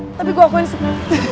tapi gue akuin sih